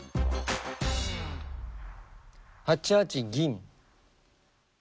８八銀。